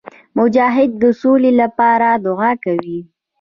مجاهد د سولي لپاره دعا کوي.